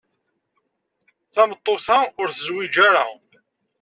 Tameṭṭut-a ur tezwij ara.